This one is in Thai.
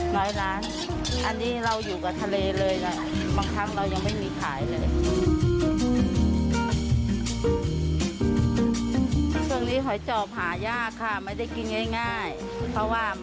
น้อยร้านที่จะมีค่ะน้อยร้าน